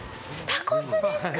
タコスですか？